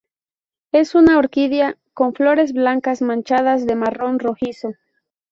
Es una orquídea con flores blancas manchadas de marrón rojizo.